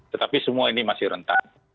tetapi semua ini masih rentan